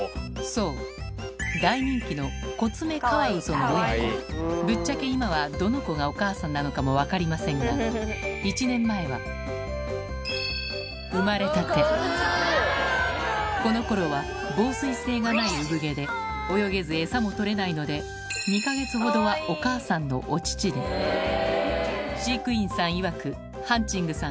そう大人気のの親子ぶっちゃけ今はどの子がお母さんなのかも分かりませんが生まれたてこの頃は防水性がない産毛で泳げずエサも取れないので２か月ほどはお母さんのお乳で飼育員さんいわくハンチングさん